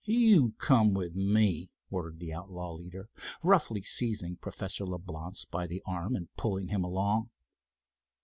"You come with me," ordered the outlaw leader, roughly seizing Professor Leblance by the arm and pulling him along.